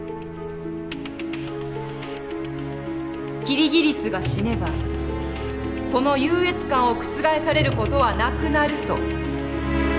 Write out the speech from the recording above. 「キリギリスが死ねばこの優越感を覆される事はなくなる」と。